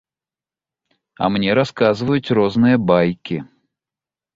А мне расказваюць розныя байкі.